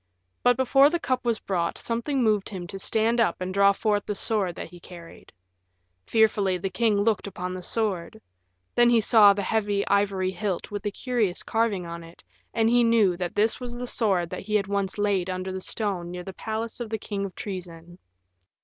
But before the cup was brought something moved him to stand up and draw forth the sword that he carried. Fearfully the king looked upon the sword. Then he saw the heavy ivory hilt with the curious carving on it, and he knew that this was the sword that he had once laid under the stone near the palace of the King of Troezen.